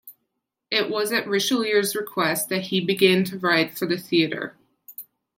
It was at Richelieu's request that he began to write for the theatre.